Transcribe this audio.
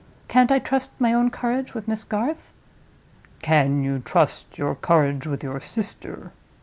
Can't I trust my own courage with Miss Garth?" "Can you trust your courage with your sister?"